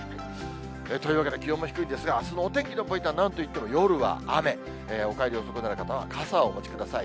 というわけで気温も低いですが、あすのお天気のポイントは、なんといっても夜は雨、お帰り遅くなる方は傘をお持ちください。